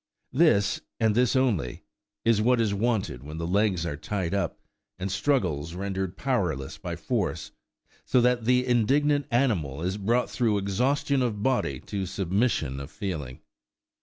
This, and this only, is what is wanted when the legs are tied up, and struggles rendered powerless by force, so that the indignant animal is brought through exhaustion of body to submission of feeling.